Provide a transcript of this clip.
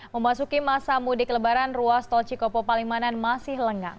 memasuki masa mudik lebaran ruas tol cikopo palimanan masih lengang